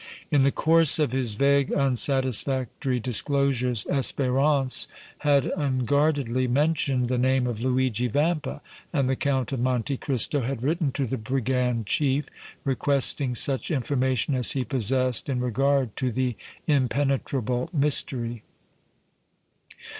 In the course of his vague, unsatisfactory disclosures, Espérance had unguardedly mentioned the name of Luigi Vampa, and the Count of Monte Cristo had written to the brigand chief, requesting such information as he possessed in regard to the impenetrable mystery.